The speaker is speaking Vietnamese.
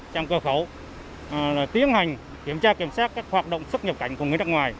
trạm cửa khẩu tiến hành kiểm tra kiểm soát các hoạt động xuất nhập cảnh của người nước ngoài